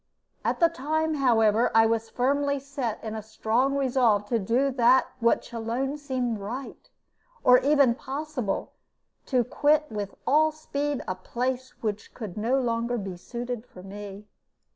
At the time, however, I was firmly set in a strong resolve to do that which alone seemed right, or even possible to quit with all speed a place which could no longer be suited for me.